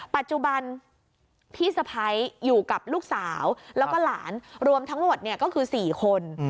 ปัจจุบันพี่สะพ้ายอยู่กับลูกสาวแล้วก็หลานรวมทั้งหมดก็คือ๔คน